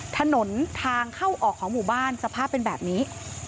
ถนนทางเข้าออกของหมู่บ้านสภาพเป็นแบบนี้